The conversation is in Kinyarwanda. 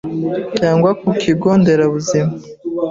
cyangwa ku kigo nderabuzima